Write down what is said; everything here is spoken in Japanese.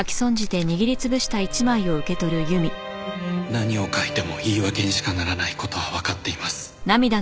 「何を書いても言い訳にしかならない事は分かっています」